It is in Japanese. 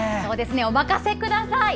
お任せください！